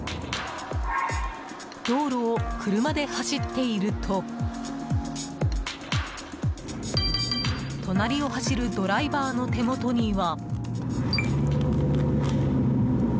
道路を車で走っていると隣を走るドライバーの手元には。